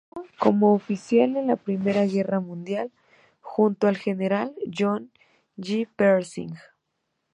Sirvió como oficial en la Primera Guerra Mundial, junto al General John J. Pershing.